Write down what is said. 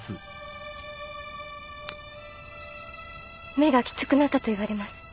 目がきつくなったと言われます。